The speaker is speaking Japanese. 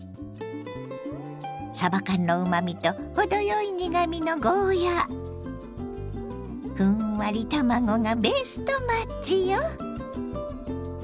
さば缶のうまみと程よい苦みのゴーヤーふんわり卵がベストマッチよ。